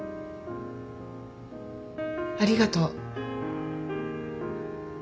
ありがとう。